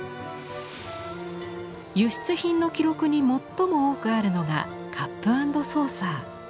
輸出品の記録に最も多くあるのがカップアンドソーサー。